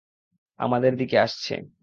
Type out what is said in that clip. আমাদের দিকে আসছে।